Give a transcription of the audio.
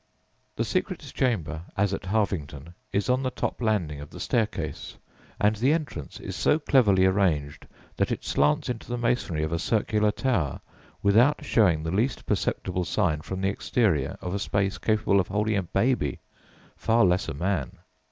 The secret chamber, as at Harvington, is on the top landing of the staircase, and the entrance is so cleverly arranged that it slants into the masonry of a circular tower without showing the least perceptible sign from the exterior of a space capable of holding a baby, far less a man.